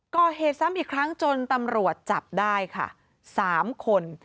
ก่อเหตุซ้ำอีกครั้งจนตำรวจจับได้ค่ะ๓คน